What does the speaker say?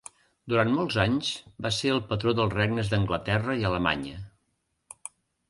Durant molts anys va ser el patró dels regnes d'Anglaterra i Alemanya.